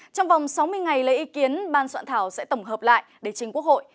trong vòng sáu mươi ngày lấy ý kiến ban soạn thảo sẽ tổng hợp lại để chính quốc hội